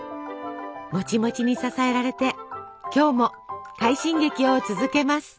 もちもちに支えられて今日も快進撃を続けます。